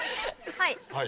はい。